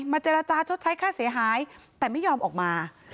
เจรจาชดใช้ค่าเสียหายแต่ไม่ยอมออกมา